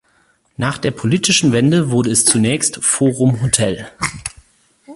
Nach der politischen Wende wurde es zunächst "Forum Hotel".